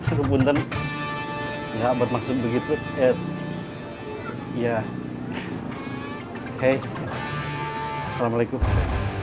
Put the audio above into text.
aduh bunten enggak buat maksud begitu ya ya hei assalamualaikum